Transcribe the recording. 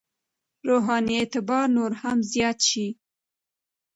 روحاني اعتبار نور هم زیات شي.